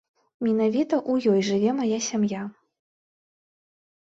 Менавіта ў ёй жыве мая сям'я.